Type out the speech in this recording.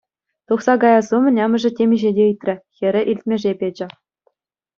Тухса каяс умӗн амӑшӗ темиҫе те ыйтрӗ, хӗрӗ илтмӗше печӗ.